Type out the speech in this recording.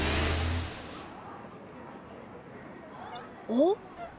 おっ！